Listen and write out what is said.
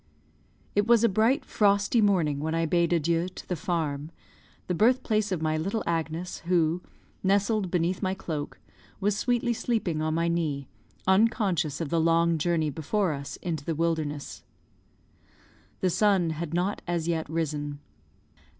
It was a bright frosty morning when I bade adieu to the farm, the birthplace of my little Agnes, who, nestled beneath my cloak, was sweetly sleeping on my knee, unconscious of the long journey before us into the wilderness. The sun had not as yet risen.